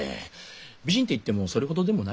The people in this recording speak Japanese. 美人っていってもそれほどでもないし。